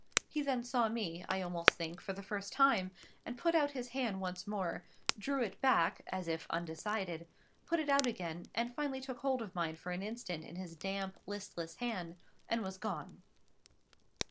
He then saw me, I almost think, for the first time; and put out his hand once more, drew it back, as if undecided, put it out again, and finally took hold of mine for an instant in his damp, listless hand, and was gone.